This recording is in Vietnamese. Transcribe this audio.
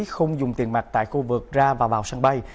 không dùng tiền mặt tại khu vực ra và vào sân bay